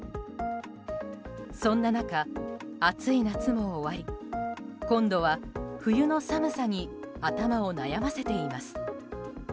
そんな中、暑い夏も終わり今度は、冬の寒さに頭を悩ませています。